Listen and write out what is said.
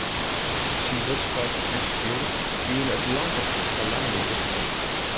Syn wurdskat en styl wiene it lampefrysk allang ûntgroeid.